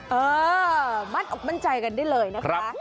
เออมัดออกบัญจัยกันได้เลยนะคะ